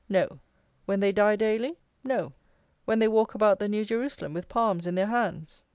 no; when they die daily? no; when they walk about the New Jerusalem with palms in their hands?